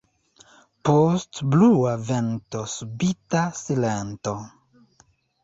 Post brua vento subita silento.